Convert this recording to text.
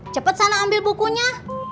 cepet sana ambil bukunya